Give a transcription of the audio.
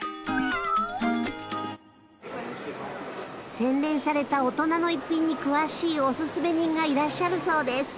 洗練された大人の逸品に詳しいおススメ人がいらっしゃるそうです。